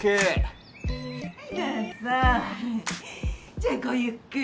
じゃあごゆっくり。